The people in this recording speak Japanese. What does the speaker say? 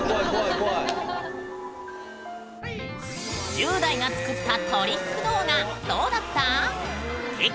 １０代が作ったトリック動画どうだった？